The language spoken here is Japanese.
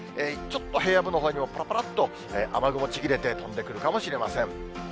ちょっと平野部のほうにも、ぱらぱらっと雨雲、ちぎれて飛んでくるかもしれません。